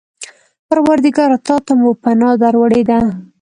پروردګاره! تا ته مو پناه در وړې ده.